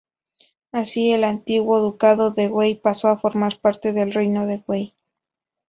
Así, el antiguo ducado de Wei pasó a formar parte del reino de Wei.